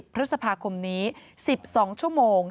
พฤษภาคมนี้๑๒ชั่วโมง